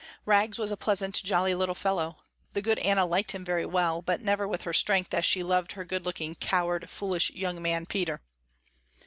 Rags was a pleasant, jolly little fellow. The good Anna liked him very well, but never with her strength as she loved her good looking coward, foolish young man, Peter.